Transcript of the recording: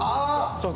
「そうか。